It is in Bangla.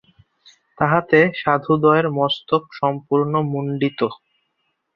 তাহাতে সাধুদ্বয়ের মস্তক সম্পূর্ণ মুণ্ডিত।